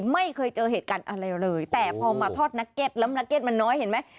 ไม่เคยเจอเหตุการณ์อะไรเลยแต่พอมาทอดนักเก็ตแล้วนักเก็ตมันน้อยเห็นไหม